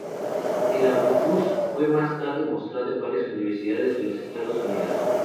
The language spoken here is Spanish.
El autobús fue más tarde mostrado en varias universidades de los Estados Unidos.